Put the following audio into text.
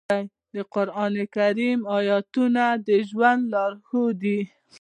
د قرآن آیاتونه د ژوند لارښود دي.